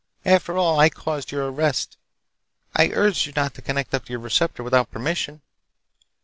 After all, I caused your arrest. I urged you not to connect up your receptor without permission!"